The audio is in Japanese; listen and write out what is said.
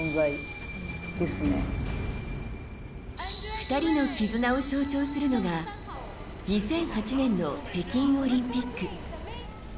２人の絆を象徴するのが２００８年の北京オリンピック。